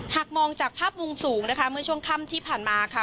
หากมองจากภาพมุมสูงนะคะเมื่อช่วงค่ำที่ผ่านมาค่ะ